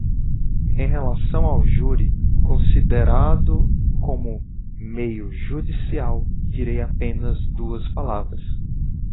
Em relação ao júri considerado como meio judicial, direi apenas duas palavras.